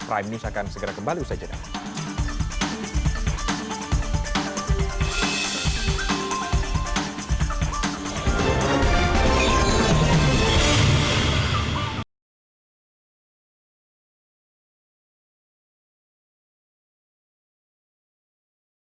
prime news akan segera kembali usai jeda